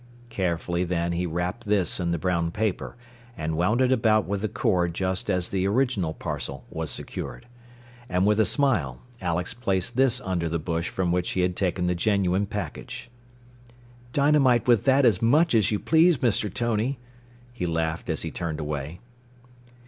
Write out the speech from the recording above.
Carefully then he wrapped this in the brown paper, and wound it about with the cord just as the original parcel was secured. And with a smile Alex placed this under the bush from which he had taken the genuine package. "Dynamite with that as much as you please, Mr. Tony," he laughed as he turned away.